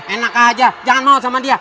enak aja jangan mau sama dia